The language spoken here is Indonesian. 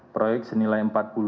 proyek senilai maksimal